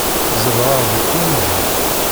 Zedɣeɣ deg Koenji.